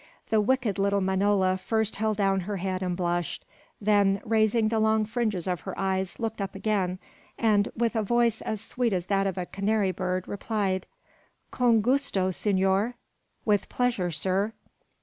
The wicked little manola first held down her head and blushed; then, raising the long fringes of her eyes, looked up again, and wits a voice as sweet as that of a canary bird, replied "Con gusto, senor." (With pleasure, sir.)